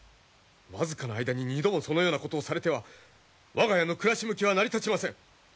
僅かの間に２度もそのようなことをされては我が家の暮らし向きは成り立ちません。